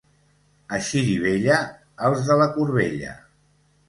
A Xirivella, els de la corbella.